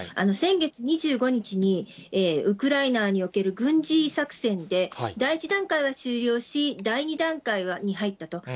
先月２５日に、ウクライナにおける軍事作戦で、第１段階は終了し、第２段階に入ったと。